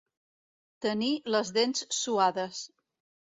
Tenir les dents suades.